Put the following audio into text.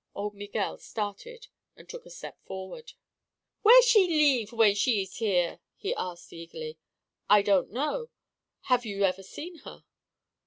Old Miguel started and took a step forward. "Where she leeve, when she ees here?" he asked eagerly. "I don't know. Have you ever seen her?"